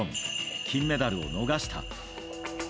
金メダルを逃した。